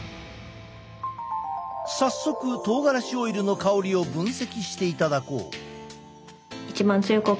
早速とうがらしオイルの香りを分析していただこう！